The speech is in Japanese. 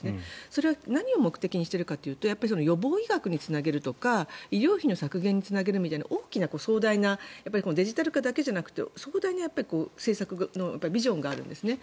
それは何を目的にしているかというと予防医学につなげるとか医療費の削減につなげるとかデジタル化だけじゃなくて壮大な政策のビジョンがあるんですね。